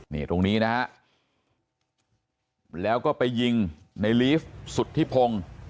นี่ตรงนี้นะครับแล้วก็ไปยิงในลีฟต์สุดที่พง